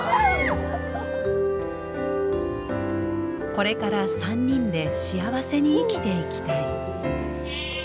これから３人で幸せに生きていきたい。